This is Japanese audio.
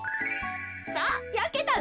さあやけたで。